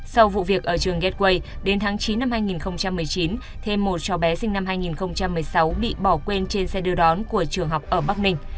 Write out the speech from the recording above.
sau vụ việc ở trường gateway đến tháng chín năm hai nghìn một mươi chín thêm một cháu bé sinh năm hai nghìn một mươi sáu bị bỏ quên trên xe đưa đón của trường học ở bắc ninh